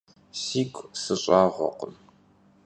Sigu sış'ağuekhım.